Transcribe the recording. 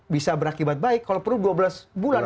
bisa berakibat baik kalau perlu dua belas bulan